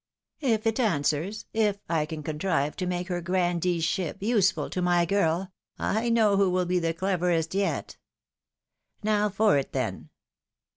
If it answers, if I can contrive to make her grandeeship useful to my girl, I know who will be the cleverest yet. Now for it then."